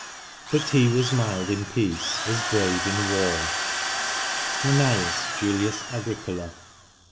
" But he weu mild m peaeet tu brave In war" Cnseus Julius Agricola.